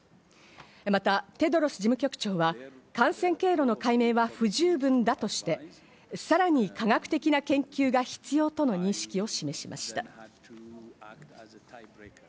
またテドロス事務局長は感染経路の解明は不十分だとして、さらに科学的な研究が必要との認識を示しました。